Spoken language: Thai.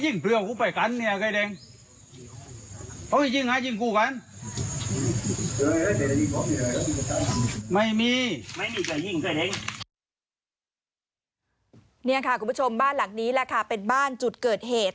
นี่ค่ะคุณผู้ชมบ้านหลังนี้แหละค่ะเป็นบ้านจุดเกิดเหตุ